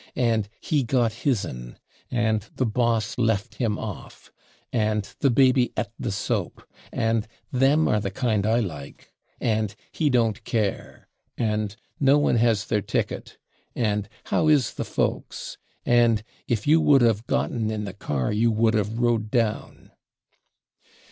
and "he got /hisn/," and "the boss /left/ him off," and "the baby /et/ the soap," and "/them/ are the kind I like," and "he /don't/ care," and "no one has /their/ ticket," and "how /is/ the folks?" and "if you would /of gotten/ in the car you could /of rode/ down."